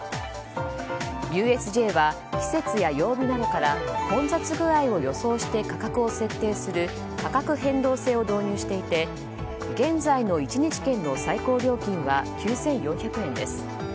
ＵＳＪは季節や曜日などから混雑具合を予想して価格を設定する価格変動制を導入していて現在の１日券の最高料金は９４００円です。